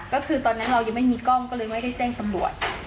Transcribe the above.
ก็คือตอนนั้นเรายังไม่มีกล้องก็เลยไม่ได้แจ้งตำรวจ